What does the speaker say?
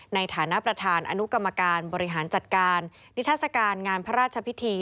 ในฐานะประธานอนุกรรมการบริหารจัดการนิทัศกาลงานพระราชพิธี